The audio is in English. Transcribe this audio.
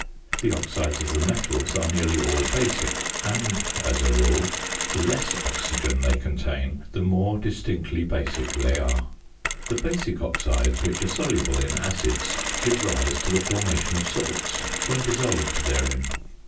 The oxides of the metals are nearly all basic; and, as a rule, the less oxygen they contain, the more distinctly basic they are. The basic oxides, which are soluble in acids, give rise to the formation of salts when dissolved therein.